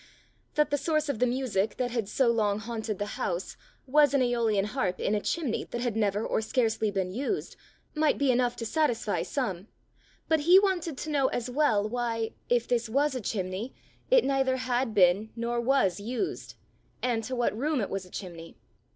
That the source of the music that had so long haunted the house was an aeolian harp in a chimney that had never or scarcely been used, might be enough to satisfy some, but he wanted to know as well why, if this was a chimney, it neither had been nor was used, and to what room it was a chimney.